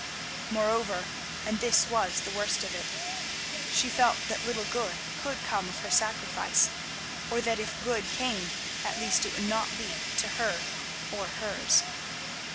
Moreover—and this was the worst of it—she felt that little good could come of her sacrifice, or that if good came, at least it would not be to her or hers.